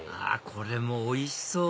これもおいしそう！